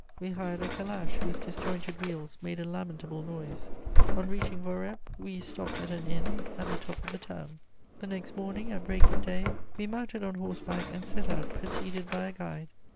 We hired a calash whose disjointed wheels made a lamentable noise. On reaching Voreppe we stopped at an inn at the top of the town. The next morning, at break of day, we mounted on horseback and set out preceded by a guide.